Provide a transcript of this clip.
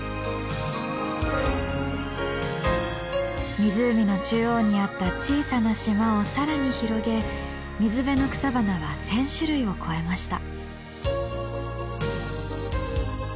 湖の中央にあった小さな島を更に広げ水辺の草花は１０００種類を超えました。